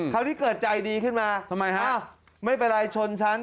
ที่เกิดใจดีขึ้นมาทำไมฮะไม่เป็นไรชนฉัน